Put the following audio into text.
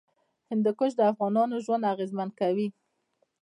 هندوکش د افغانانو ژوند اغېزمن کوي.